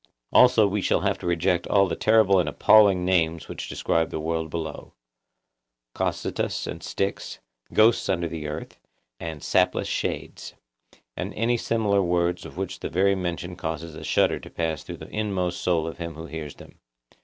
Also we shall have to reject all the terrible and appalling names which describe the world below—Cocytus and Styx, ghosts under the earth, and sapless shades, and any similar words of which the very mention causes a shudder to pass through the inmost soul of him who hears them.